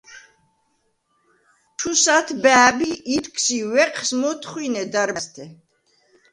– ჩუ ს’ათბა̄̈ბ ი ითქს ი უ̂ეჴს მ’ოთხუ̂ინე დარბა̈ზთე.